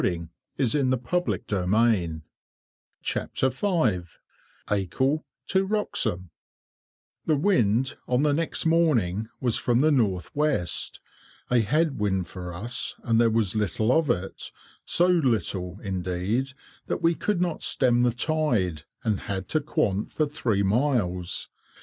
ACLE TO WROXHAM. [Picture: Decorative drop capital] The wind, on the next morning, was from the north west, a head wind for us, and there was little of it; so little, indeed, that we could not stem the tide, and had to quant for three miles.